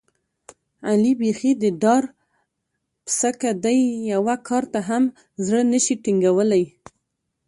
علي بیخي د ډار پسکه دی، یوه کار ته هم زړه نشي ټینګولی.